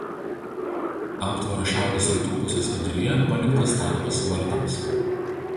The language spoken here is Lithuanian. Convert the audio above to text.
Aptvaro šiaurės rytų pusės viduryje paliktas tarpas vartams.